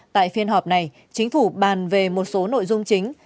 tại phiên họp này chính phủ bàn về một số nội dung chính